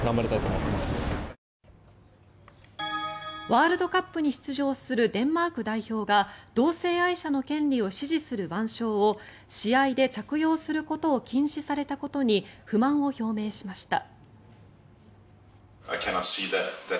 ワールドカップに出場するデンマーク代表が同性愛者の権利を支持する腕章を試合で着用することを禁止されたことに不満を表明しました。